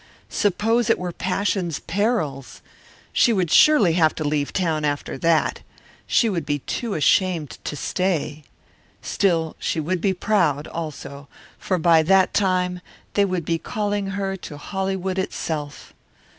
Suppose it were Passion's Perils! She would surely have to leave town after that! She would be too ashamed to stay. Still she would be proud, also, for by that time they would be calling her to Hollywood itself.